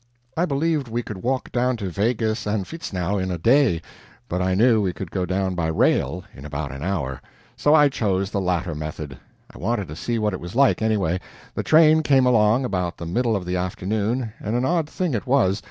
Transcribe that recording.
I believed we could walk down to Waeggis or Vitznau in a day, but I knew we could go down by rail in about an hour, so I chose the latter method. I wanted to see what it was like, anyway. The train came along about the middle of the afternoon, and an odd thing it was.